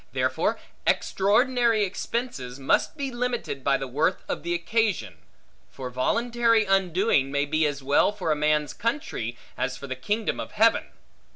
Therefore extraordinary expense must be limited by the worth of the occasion; for voluntary undoing, may be as well for a man's country, as for the kingdom of heaven.